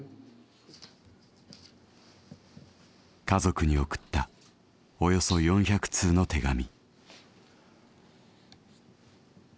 家族に送ったおよそ４００通の手紙。